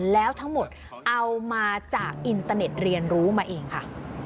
แล้วทั้งหมดเอามาจากอินเตอร์เน็ตเรียนรู้มาเองค่ะ